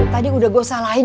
tadi udah gue salahin